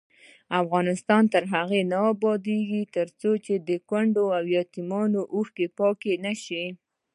افغانستان تر هغو نه ابادیږي، ترڅو د کونډو او یتیمانو اوښکې پاکې نشي.